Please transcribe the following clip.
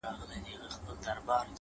علم د فکرونو پراختیا راولي’